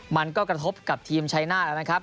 มันก็กระทบกับทีมชายน่านะครับ